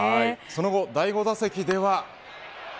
その後、第５打席では。